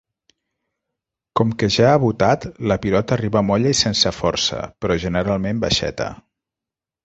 Com que ja ha botat, la pilota arriba molla i sense força, però generalment baixeta.